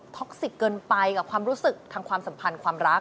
็อกซิกเกินไปกับความรู้สึกทางความสัมพันธ์ความรัก